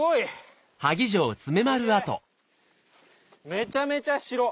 めちゃめちゃ城！